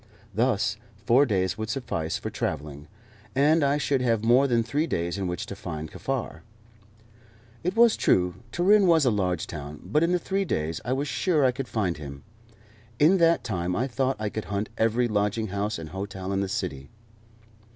Thus four days would suffice for travelling, and I should have more than three days in which to find Kaffar. It was true Turin was a large town, but in three days I was sure I could find him. In that time I thought I could hunt every lodging house and hotel in the city.